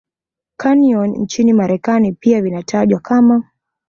Canyon nchini Marekani pia vinatajwa kama